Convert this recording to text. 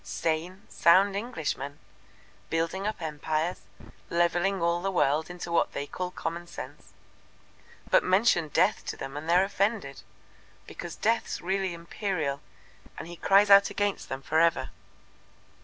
Sane, sound Englishmen! building up empires, levelling all the world into what they call common sense. But mention Death to them and they're offended, because Death's really Imperial, and He cries out against them for ever."